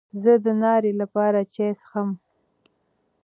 زه د ناري لپاره چای څښم.